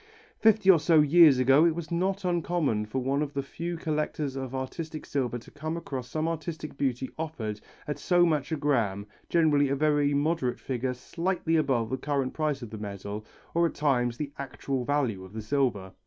Fifty or so years ago it was not uncommon for one of the few collectors of artistic silver to come across some artistic beauty offered at so much a gramme, generally a very moderate figure slightly above the current price of the metal or at times at the actual value of the silver.